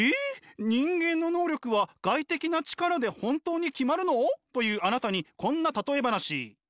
人間の能力は外的な力で本当に決まるの？というあなたにこんな例え話。